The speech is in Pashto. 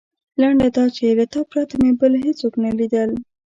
لنډه دا چې له تا پرته مې بل هېڅوک نه لیدل.